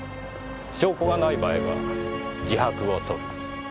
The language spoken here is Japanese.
証拠がない場合は自白を取る。